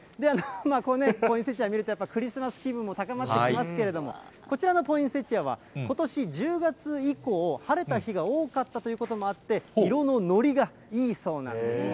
ポインセチア見ると、クリスマス気分も高まってきますけれども、こちらのポインセチアはことし１０月以降、晴れた日が多かったということもあって、色ののりがいいそうなんですね。